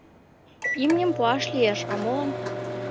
— Имньым пуаш лиеш, а молан?